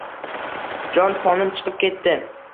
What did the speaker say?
Jon-ponim chiqib ketdi